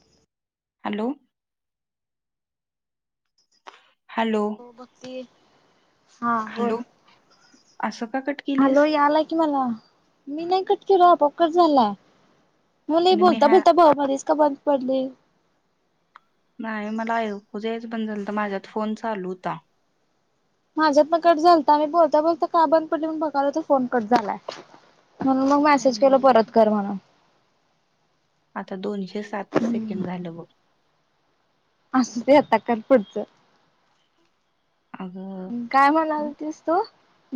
[inaudible] Hello. Hello हो बघते. हा बोल. हॅलो असं का कट [inaudible] हॅलो केलीस यालाय कि मला मी नाही कट के र प ट झाला मुले आणि मी बोलता हा बोलता ब मध्येच का बंद पडले नाही मला ऐकूेच बनल तर माझ्यात फोन चालू होता माझ्यात ना कट झालता मी बोलता बोलता का बंद पडलीण बघायला तर फोन कट झालाय म्हणून मग मेसेज केल हम्म, परत कर म्हणून आता दोनशे सातच सेकंड झालं व असं ते आता का पुढचं अगं काय म्हणाल तस तू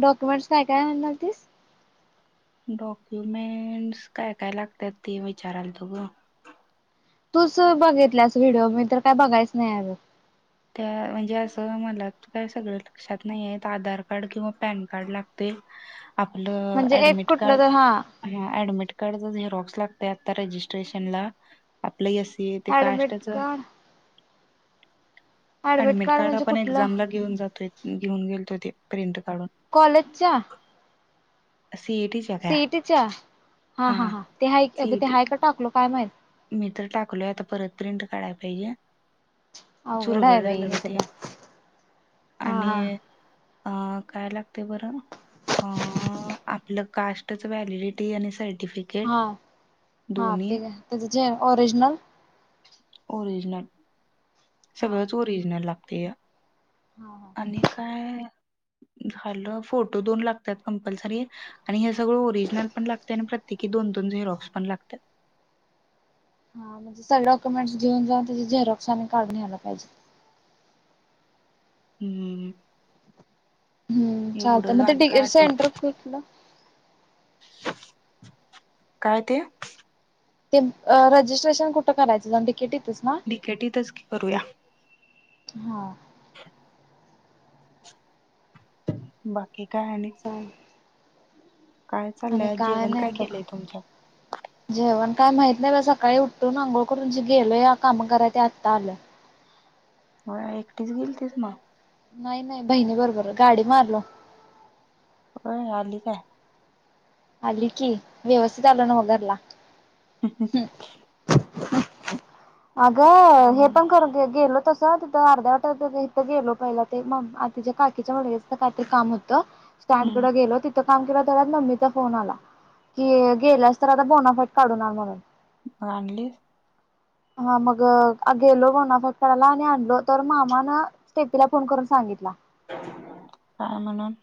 डॉक्युमेंटस काय काय म्हणाल तस डॉक्युमेंटस काय काय लागतात ते विचारायला तु ग तूच बघितलास व्हिडिओ मी तर काय बघायच नाही अर त्या म्हणजे असं मला काय सगळ लक्षात नाहीय आधार कार्ड किंवा पॅन कार्ड लागतय ड म्हणजे एक कुठलं कार तर हा कार आ्रेश आप का admit card admit admit card म्हणजे आपण कुठलं? एक्झाम ला घेऊन जातोय घेऊन गेो प्रिंट काढून कॉलेजच्या सीईटीच्या काय सिटीच्या हा हा हा ते हायक ते सीईटी हायक टाकलो काय माहित मी तर टाकलोय आता परत प्रिंट काढायला पाहिजे अवघड आहे बाई चुरगडायला हे लगत या सगळं हा आणि हा अ काय लागते बरं अ आपलं कास्टच व्हॅलिडिटी आणि साड हा हा ते त्या जे ओरिजनल ओरिजनल हा सगळंच ओरिजिनल लागते या हा हा आणि काय झालं फोटो दोन लागतात कंपल्सरी आणि हे सगळं ओरिजनल पणत आणि प्रत्येोन रॉक्स पण लागतात हा म्हणजे सगळे डॉक्युमेंट्स घेऊन जाऊन त्या झेरॉक्स आणि काढून्यायला पाहिजे हम्म हं चालत एवढं मग ते आणि काय डिग्रीचं आठव सेंटर कुठलं? काय ते? रजिस्ट्रेशन कुठं करायचं तिकिटे? बिकेटीतच की करूया हा. [inaudible] बाकी काय आणि. चालेल काय आणि चाललंय जेवण नाही काय बघ केलंय तुमच्यात? जेवण काय माहित नाही बाई सकाळी उठून अंघोळ करून जे गेलो. या काम कराय ते आत्ता आलो. हो एकटीच गेलतीस मग नाही नाही बहिणी बरोबर गाडी मारलो. आली काय? आली की व्यवस्थित आलो ना घरला हहम आग हे पण हम्म करुन गेलो. तसं अर्ध्या वाट इथं गेलो. पहिला ते म तिच्या काकीच्या मुलग्याचं काहीतरी काम होतं. स्टँडकडे गेल तिथं काम केलं. मम्मीच फोन आला कि गेल्यास तर आता बोनाफाईट काढून आन म्हणून आणली? हा मग गेलो बोनाफाईट काढायला आणि आणलो तर मामान स्टेपीला फोन करून सांगितला. काय म्हणून?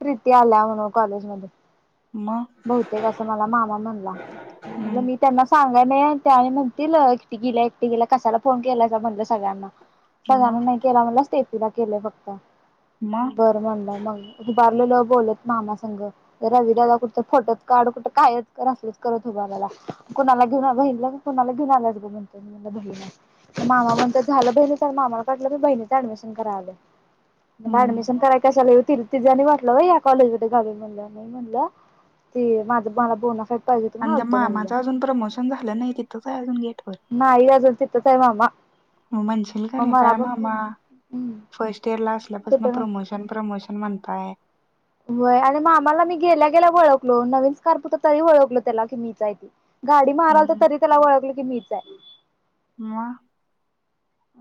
प्रीती आल्या. म्हणून कॉलेज मध्ये मग बहुतेक असं मला मामा म्हणला, म्हण हम्म मी त्यांना सांग का नाही आणि म्हणतील एकटी गेल्या एकटे गेल्या. कशाला फोन केलाचा म्हणलं सगळ्यांना सगळ्यांना मग नाही केला म्हटलं, स्टेपीला केलंय फक्त मग बरं म्हणलंय मग उभारलेलो बोलत मामा संघ रविदादा कुठं फोटोच काढ कुठं काय असलच करत उभ कुणाला घेऊ ब कोणाला घेऊन आ म्हण बण मामा म्हण झा. ब मामाला कटलं की बहिणीच ऍडमिशन कराव. मला ऍडमिशन हम्म कराय कशालातील तिझ आणि म्हटलं या कॉलेजमध्ये घावी मी म्हणलं नाही म्हणलं त माझं मला बोनाफाईट पाहिजे होत म्हणून आणि आलतो म्हणलं मामाच अजून प्रमोशन झालं नाही. तिथंच आहे अजून गेट वर नाहीय अजून तिथच आहे. मामा म्हणशील का मग मला काय? पण मामा हम्म फर्स्ट इयर ला कुठ असल्यापासून ना प्रमोशन प्रमोशन म्हणताय. होय आणि मामाला मी गेल्या. गेला ओळखलो. नवीन स्कार्फ तरी ओळखलो. त्याला की मीच आहे म्हणून गाडी मारालतो हम्म, तरी त्याला वळकलं की मीच आहे. मग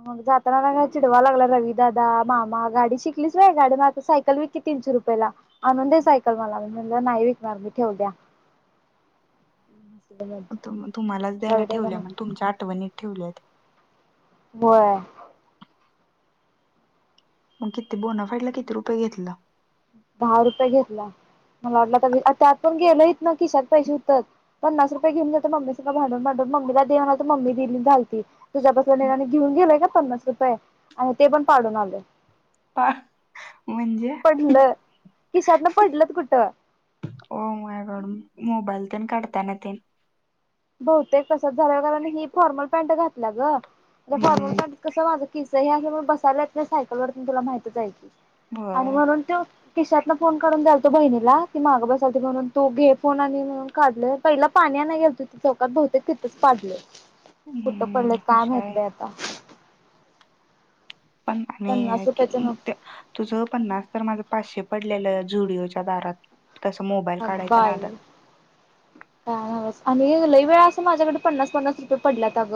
मग जाताना चिडवाला लागला. रवी दादा, मामा गाडी शिकलीच होय नाही गाडी मग सायकल विक. तीनशे रुपयाला अनून दे सायकल मला, मी म्हणल नाही विकणार मी ठेवल्या. [inaudible] [unintelligible] तुम्हालाच द्यायला ठेवलं. मग तुमच्या आठवणीत ठेवल्यात. बर. मग किती बोण फेडला? किती रुपये घेतला? दहा रुपये घेतला. मला वाटलं तर त्यात पण गेलंत ना किशात पैसे होते पन्नास रुपये घेऊन गेले. मम्मीस भांडून भांडून मम्मीला दे म्हणल तर मम्मी दिना झाली. तुझ्यापसल्या निळ्यान घेऊन गेलंय का? पन्नास रुपये आणि ते पण पाडून आले. प म्हणजे? किशातनं पडले कुठ? ओ माय गॉड मोबाईल तून कढताना त बहुतेक कसात झा कारण ही फॉर्मल पॅ्ट घातला ग फॉर्मल हम्म पॅ्ट कस माझं. कि हे बसायला येत नाही सायकल वरतीून तुला माहती जाय क आणि होय म्हणून ते किशाततला फोन काढून द्यायतो बहिणीला ती माग बसावती म्हणून तो घे फोन आणि म्हणून काढले पहिला पाणी चौकात बहुतेक तिथंच पाडलं. कुठं पडलं हम्म काय हुशार माहित आहेस आहे आता पण पन्नास रुपयाचं नोट तुझ पन्नास तर माझ. पाचशे पडलेलं जुडिओच्या दारात तसं मोबाईल काढायच्या अगबाई नादात का बस आणि लई वळा माझ्याकडे पन्नास पन्नास रुपये पडं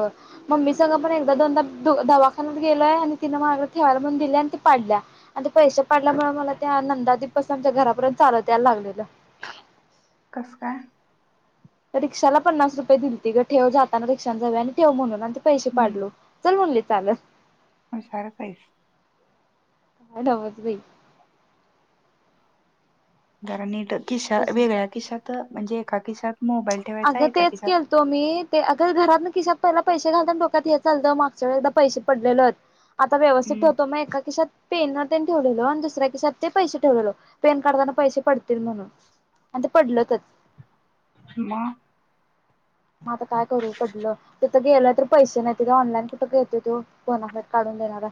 मम्मी स पण एकदा दोदा दवाख्यात गेलय आणि त मा ठेवायला म्हणून दि आणि त पाडल्या आणि पैश पाडल्यामुळे मला त्या नंदा दिवपस आमच्या घरापर्यंत चाल त्याला लागलेलं. कस काय? रिक्षाला पन्नास रुपये दितीलती गं ठेव जाताना रिक्षा जावे आणि ठेव म्हणून पैसे पाडलो चल म्हणले चाल. हशार सईस ह नमज नाही. नीट किश तुझ वेगळ्या किशात म्हणजे एका किशात अगं तेच केलतो मी ते अगं घरात नक्की शकतो. पहिला पैसे घालतना ो्यात हे चालत मागच्या एकदा पैसे पडलेलत. आता व्यवस्थित हम्म ठेवतो मग एका किशात पेन ठेवलेलो आणि दुसऱ्या किस पैसे ठेवलेलो पॅन कार्डाना पैसे पडतील म्हणून आणि ते पडल तर मां मग आता काय करू पडलं. गेलं तर पैसे नाही का ऑनलाईन कुठं घेते बोनाफाईट काढून देणारा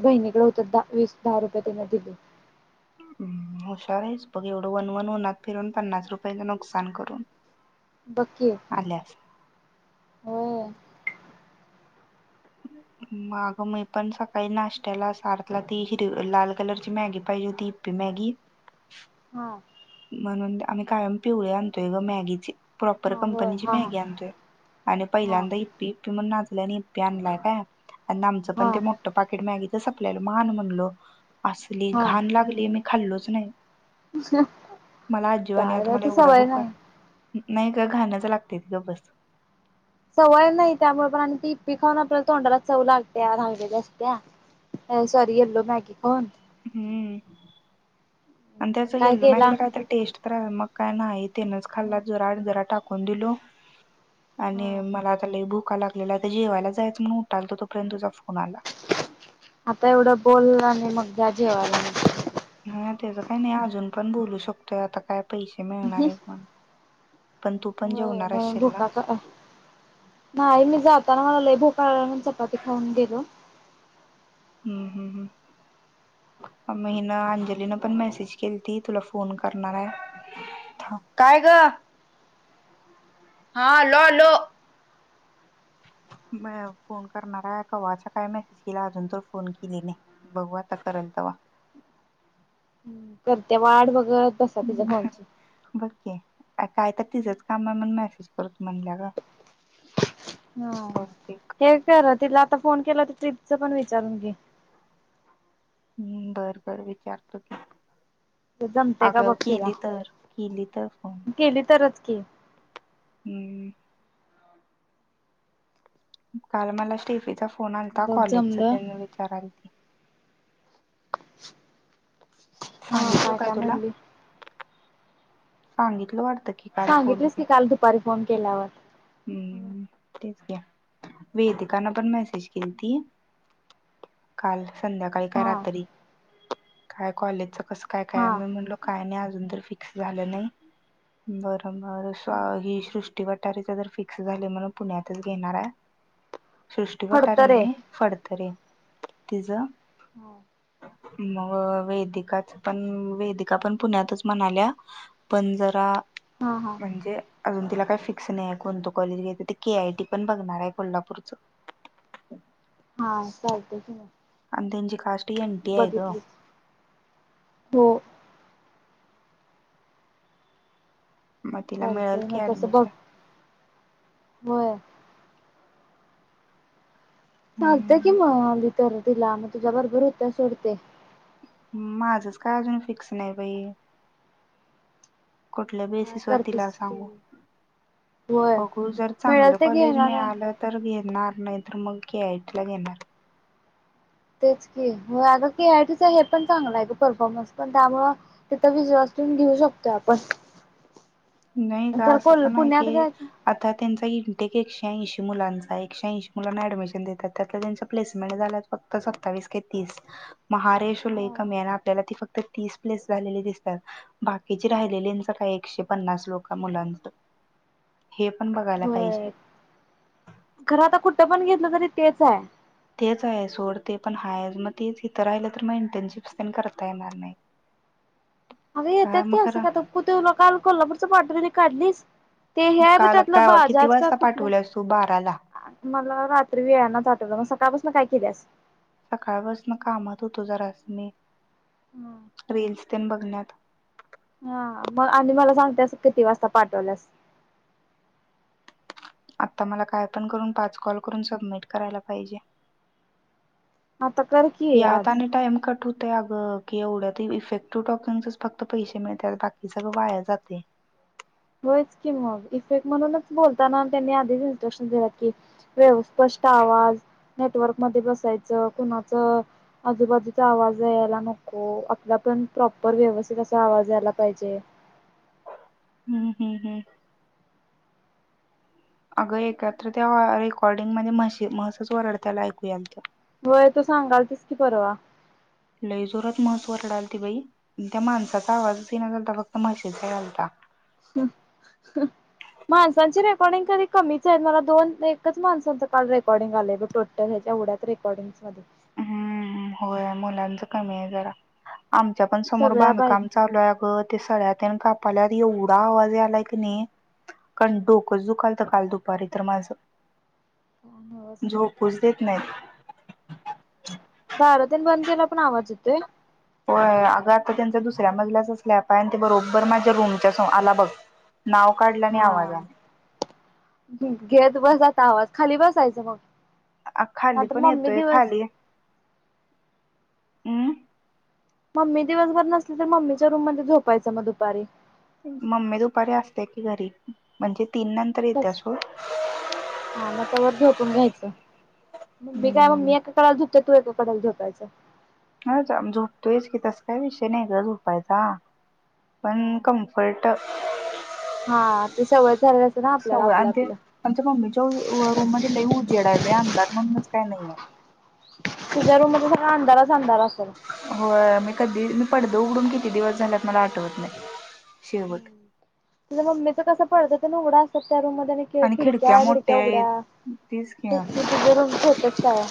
बहिणीकडे होत वीस दहा रुपये त्यांन दिली ह हुशार आहेच बघ एवढं वन वन उनत फिरून पन्नास रुपयांच नुकसान करून बगं की आल्यास होय माग मी पण सकाळी नाश्त्याला सारथला ती हिर लाल कलरची मॅगी पाहिजे ती हिप्पी मॅग हा म्हणून आम्ही कायम पिवळी आणतोय ग मॅगीचे प्रॉपर हा होय कंपनीची हा हा मॅगी आणतोय आणि हा पहिल्यांदा हिप्पी हिप्पी म्हणून पी आणलाय काय आमचं पण हा ते मोठं पाकेट मॅगीच संपल्याला म आन म्हणलो असली हा घाण लागली मी खाल्लोच नाही मला आज जीवान काय र तुम्हाला ती एवढ्या सवय बुखा नाही आहे नाही गं घाणच लागतयं ग बस सवय नाही त्यामुळे पण आणि ती हिप्पी आपल्याला तोंडाला चव लागत्या राहिलेल्या असत्या अ सॉरी एल्लो मॅग खाऊन हम्म आणि मग त्याच काय येल्लो मॅगी केला कायत टेस्ट तर रा मग काय नाही तेनच खाल्ला जरा जरा टाक टाकून दिलो आणि हा मला आता लय भुका लागलेला जेवायला जायच म्हूनन उठाल तो पर्यंत आता एवढं बोल आणि मग जा जेवायला त्याच काही नाही अजून पण बोलू शकतोय आता काय पैसे मिळणार आहे हो मण भोका क नाही मी जाताना म्हणा भोकाळून चपाती खाऊन गेलो हम्म हम् हम् म हन अंजलीनं पण मेसेज केली ती तुला फोन करणार आहे काय ग हा आलो आलो. म फोन करणारा कवा्हाचा काय मेसेज केला अजून तर फोन केले नाही बघू आता करत तवा करते वाढ वगत बसा तिच्या फोनची अ काय तर तिझंच काम आहे म्हण मेसेज करतो म्हणल्या ग ह बहुतेक. हे करत तिला आता फोन केला तर ट्रीप च पण विचारून घे हम्म बर बर विचारतो की. जमतेय का अगं बघ तिला केली तर केली तर फोन गेली तरच की हम्म काल मला स्टेफीचा फोन आलाता बघ कॉलेजचा जमलं त्यां विचारलती हा सांगितलो काय काय तुला म्हणली सांगितलं वाट सांगितलेस की काल दुपारी फोन केल्यावर हम्म तेच वेदिकांन पण मेसेज केली त काल संध्याकाळी काय हा रात्री काय कॉलेजच कस काय काय हा मी म्हणलो काय नाही फिक्स झाल नाही बर मगं सृष्टी वाटारे चा फिक्स झाले म्हणून पुण्यातच घेणार आहे सृष्टी वाटार आहे फडतरे नाही फडतरे तिझ हो मग वेदिकाच पण वेदिका पण पुण्यातच म्हणाल्या पण जरा हा म्हणजे अजून तिला काही फिक्स नाही कोणत कॉलेज घेत तर के आयटी पण बघणार आहे कोल्हापूरच. हा चालतंय कीं. आनी त्यांची काष्ट एन टी हाय ग. हो मग तिला मिळेल चालतय ना की तस बघ ऍडमिशन होय. चालते की हम्म मगली तरर तिला मग तुझ्या बरोबर हित सोडते. माझंच काय अजून फिक्स नाही बाई. कुठल्या काय बेसिसवर करतेस तिला तू सांगू? होय बघू जर चांगलं मिळेल ते कॉलेज घेणार आहे मिळालं तर घेणार. नाही तर मग की आयटला घेणार. तेच की आता के आयटीच हे पण चांगलं आहे का परफॉर्मन्स पण त्यामुळ तिथं [unintelligible] घेऊ शकतो आपण. नाही का तर असं कोल पण आहे पुण्यात की घ्यायचं आता त्यांचा इनटेक श ऐंशी मुलांचा एकशे ऐंशी मुलांना ऍडमिशन देतात त्यात त्यांं प्लेसमेंट झाल्यात फक्तत्तावीस काय तीस. महारेश हा लेखम या ना आपल्याला त फक्त. तर तीस प्लेस झालेली दिसतात बाकीचे राहिलेलीच काय एकशे पन्नास लोक मुलांत. बर खर आता कुठं पण घेतलं तरी तेच हाय. तेच आहे सोड ते पण हाय मग तेच इथं राहिलं तर मग इंटर्नशिप पन करता येणार नाही. रिकामा ऑडिओ अगं येतात की असं का कु तेला काल कोल्हापूरचं पाठपरी काढलीस? ते हे आहे ब काल त्यातलं काय वा- किती बाजाच का वाजता कुठलं? पाठवल्यास तू बाराला मला रात्री वेळ नाच आठवलं मग सकाळपासून काय केल्यास? सकाळ बस ना कामात होतो जरास मी. ऱे तेन बगण्यात. हा मग आणि मला सांगते अस किती वाजता पाठवलंस? आता मला काय पण करून पाच कॉल करून सबमिट करायला पाहिजे. आता कर की आज. याताने टाइम कटू अग की एवढ्या इफेक्टिव्ह टॉकिंगच फक्त पैसे मिळतात बाकी सगळं वाया जाते. रिकामा ऑडिओ हो की मग इफेक्ट म्हणूनच बोलताना त्यांनी आधीच इस्ट्रक्शन दि की व्यवस्थि आवाज नेटवर्क मध्ये बसायच कुणाचं... आजूबाजूचा आवाज यायला नको अला पण प्रॉपर व्यवस्थित असा आवाज यायला पाहिजे. हम्म हम्म हम्म. अगं एकत्र त्या रेकॉर्डिंग मध्ये म्ह म्हहसच वरडत्याला ऐकू अल्ते. वय तो सांगाल तस कि परवा. लई जोरात म्हहस वरडालती बाई त्या माणसाचा. आवाजच घ नाही चालता फक्त म्हशीचा यालता हम्. माणसांची रेकॉर्डिंग कधी कमीच आहे मला दोन एकच माणसांचं काल रेकॉर्डिंग आलंय ब टोटल. एवढ्याच रेकॉर्डिंग स वाले. हम्म होय मुलांच कमी आहे जरा. आमच्या पण समोर सगळ्या बांधकाम चालूय आहे अ गं ते सळ्यात.. त्या कापाला एवढा आवाज यालाय कीं नाई... कारण डोक दुकाल तर काल दुपारी तर माझं. बायका झोपूच देत नाहीत. दारतेन बंद केला पण आवाज येतोय. हो अगं आता त्यांच्या दुसऱ्या मजल्याच स्लॅप असल्या पाय आणि ते बरोबर माझ्या रूमच्या स आला बघ. नाव काढलं आणि हा आवाज आला घे त बसात आवाज खाली बसायच मग. अ खाली नाहीतर पण मम्मी येतोय दिवस खाली. हं. मम्मी दिवसभर नसली तर मम्मीच्या रूम मध्ये झोपायचं मग दुपारी. मम्मी दुपारी असते की घरी म्हणजे.. तीन नंतर येते तस असो हा मग तवर झोपून घ्यायचं मम्मी काय मम् हम्म ममी एका कडला झोपते तू एकाकडला झोपायचं हचम झोपतोयच की तस काही विषय नाही ग झोपायचा पण हा कम्फर्ट हा ते सवय झालेली असते ना स आपल्याला आ आपलं आपलं अज ममी च रूम दि ल उजेडा आहे ब्या दर म्हणूनच काय नाहीये तुझ्या रूम त सगा अंधारच अंारा असेल हो मी कधी मी पडद उघडून किती दिवस झाल्यात मला आठवत नाही शेवट. हम् त मम्मीच कसं पडत तेघडं असत त्या रूम मध्ये आणि खिडक्या बिडक्या मोठ्या आहेत उघड्या तीच की तिे रूम होतच त्याव